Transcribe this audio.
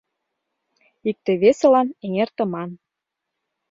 Икте-весылан эҥертыман.